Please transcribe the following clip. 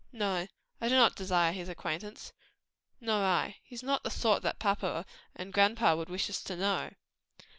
"No; I do not desire his acquaintance." "Nor I; he's not the sort that papa and grandpa would wish us to know."